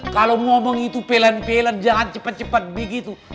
kalau ngomong itu pelan pelan jangan cepat cepat begitu